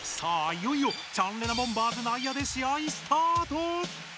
いよいよチャンレナボンバーズ内野で試合スタート！